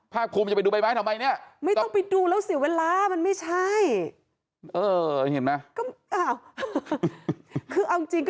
ภาคภูมิจะไปดูใบไม้ทำไมเนี่ย